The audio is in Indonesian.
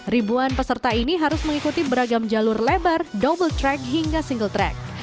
ribuan peserta ini harus mengikuti beragam jalur lebar double track hingga single track